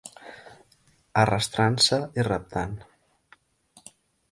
Arrastrant-se i reptant.